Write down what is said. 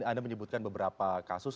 anda menyebutkan beberapa kasus